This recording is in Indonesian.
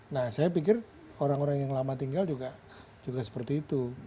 nah saya pikir orang orang yang lama tinggal juga seperti itu